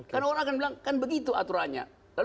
karena orang akan bilang kan begitu aturannya